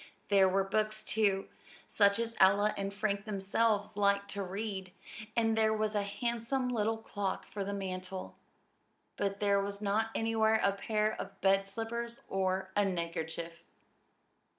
There were books, too, such as Ella and Frank themselves liked to read; and there was a handsome little clock for the mantel but there was not anywhere a pair of bed slippers or a neckerchief.